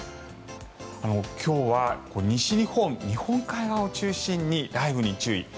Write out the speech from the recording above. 今日は西日本日本海側を中心に雷雨に注意。